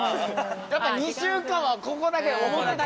やっぱ２週間はここだけ表だけだよ。